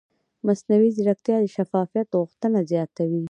مصنوعي ځیرکتیا د شفافیت غوښتنه زیاتوي.